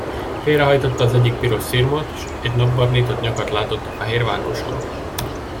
Félrehajtotta az egyik píros szirmot, s egy napbarnított nyakat látott a fehér vánkoson.